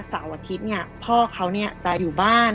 เสาร์อาทิตย์เนี่ยพ่อเขาจะอยู่บ้าน